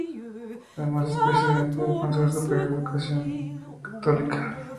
Además es presidente del Consejo Superior de Educación Católica.